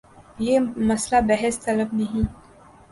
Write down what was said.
یہ مسئلہ بحث طلب نہیں۔